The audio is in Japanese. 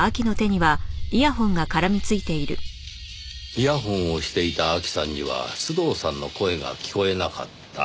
イヤホンをしていた明希さんには須藤さんの声が聞こえなかった。